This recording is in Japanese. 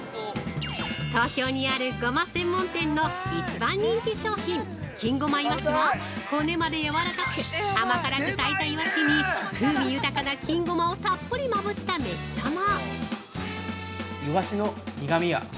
東京にあるゴマ専門店の一番人気商品、金ごまいわしは、骨までやわらかく、甘辛く炊いたいわしに、風味豊かな金ごまをたっぷりまぶしたメシとも。